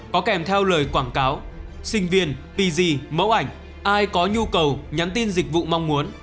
có kèm theo lời quảng cáo sinh viên pz mẫu ảnh ai có nhu cầu nhắn tin dịch vụ mong muốn